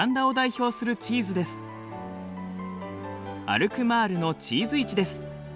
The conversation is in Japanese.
アルクマールのチーズ市です。